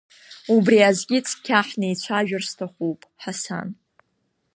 Убри азгьы цқьа ҳнеицәажәар сҭахуп, Ҳасан…